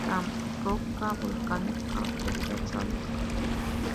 La roca volcánica aporta sales.